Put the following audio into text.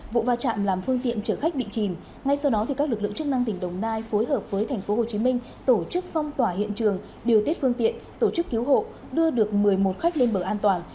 vụ va chạm làm phương tiện trở khách bị chìm ngay sau đó các lực lượng chức năng tỉnh đồng nai phối hợp với thành phố hồ chí minh tổ chức phong tỏa hiện trường điều tiết phương tiện tổ chức cứu hộ đưa được một mươi một khách lên bờ an toàn